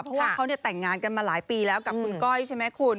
เพราะว่าเขาแต่งงานกันมาหลายปีแล้วกับคุณก้อยใช่ไหมคุณ